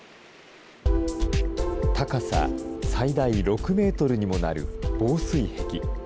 高さ最大６メートルにもなる防水壁。